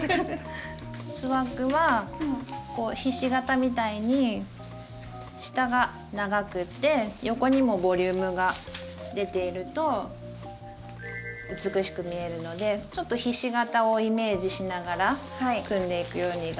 スワッグはひし形みたいに下が長くて横にもボリュームが出ていると美しく見えるのでちょっとひし形をイメージしながら組んでいくように頑張ってみて下さい。